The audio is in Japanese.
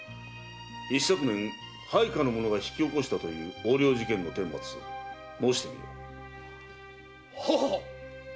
一昨年配下の者が引き起こしたという横領事件の顛末を申してみよ。ははっ。